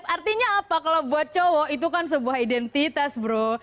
artinya apa kalau buat cowok itu kan sebuah identitas bro